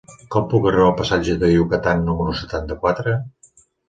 Com puc arribar al passatge de Yucatán número setanta-quatre?